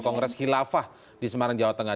kongres khilafah di semarang jawa tengah